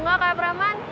gak kayak preman